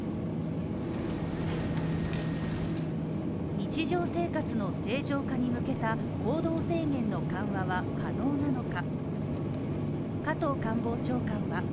日常生活の正常化に向けた行動制限の緩和は可能なのか。